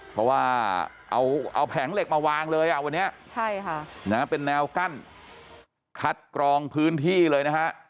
เพราะว่าเอาแผงเหล็กมาวางเลยอ่ะวันนี้เป็นแนวกั้นคัดกรองพื้นที่เลยนะฮะ